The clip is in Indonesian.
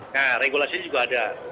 nah regulasi juga ada